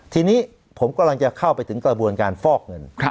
ทีนี้ผมกำลังจะเข้าไปถึงกระบวนการฟอกเงิน